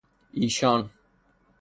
ایشان